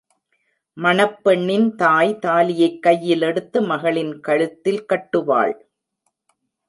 மணப் பெண்ணின் தாய் தாலியைக் கையிலெடுத்து மகளின் கழுத்தில் கட்டுவாள்.